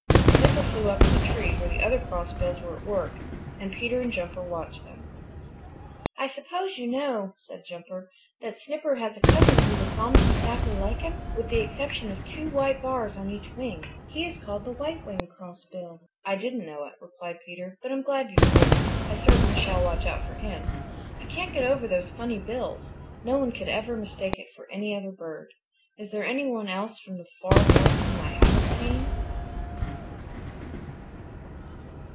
Snipper flew up in the tree where the other Crossbills were at work and Peter and Jumper watched them. "I suppose you know," said Jumper, "that Snipper has a cousin who looks almost exactly like him with the exception of two white bars on each wing. He is called the White winged Crossbill." "I didn't know it," replied Peter, "but I'm glad you've told me. I certainly shall watch out for him. I can't get over those funny bills. No one could ever mistake it for any other bird. Is there anyone else now from the Far North whom I haven't seen?"